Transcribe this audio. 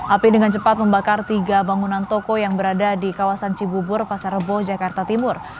api dengan cepat membakar tiga bangunan toko yang berada di kawasan cibubur pasar rebo jakarta timur